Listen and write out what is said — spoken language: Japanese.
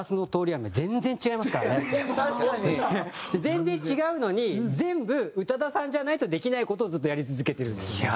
全然違うのに全部宇多田さんじゃないとできない事をずっとやり続けてるんですよね。